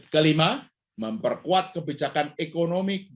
kelima memperkuat kebijakan ekonomi